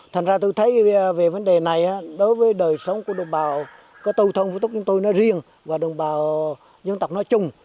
thành ra tôi thấy về vấn đề này đối với đời sống của đồng bào có tù thông với tất cả chúng tôi nó riêng và đồng bào dân tộc nói chung